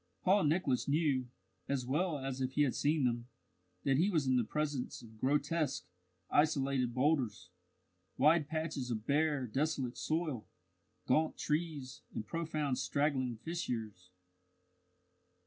Paul Nicholas knew, as well as if he had seen them, that he was in the presence of grotesque, isolated boulders, wide patches of bare, desolate soil, gaunt trees, and profound straggling fissures.